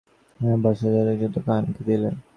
হা বৎস জয়সিংহ, তোমার অমূল্য হৃদয়ের যুক্ত কাহাকে দিলে!